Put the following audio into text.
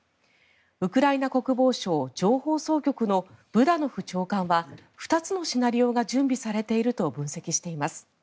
ウクライナ国防省情報総局のブダノフ長官は２つのシナリオが準備されていると分析しています。